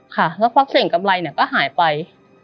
ค่ะสักพักเสียงกำไรเนี่ยก็หายไป